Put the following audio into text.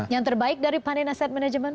yang terbaik dari panin asset management